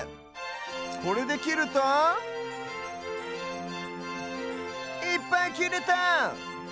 これできるといっぱいきれた！